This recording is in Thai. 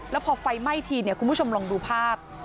แล้วพอไฟไหม้ทีคุณผู้ชมลองดูภาพ